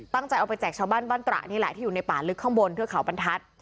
เอาไปแจกชาวบ้านบ้านตระนี่แหละที่อยู่ในป่าลึกข้างบนเทือกเขาบรรทัศน์